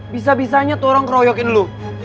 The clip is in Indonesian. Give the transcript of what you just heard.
bisa bisanya itu orang keroyokin dulu